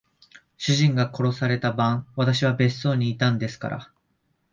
主人が殺された晩、私は別荘にいたんですから。